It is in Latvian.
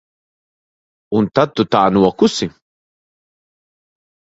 Un tad tu tā nokusi?